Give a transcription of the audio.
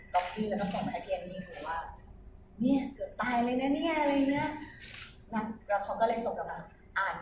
ก็เลยก็คุณรู้ใจกันออกมากแล้วบางทีที่เสิร์ชแล้วมิวจะบอกว่าเขาจะบอกว่าเราไม่รู้ได้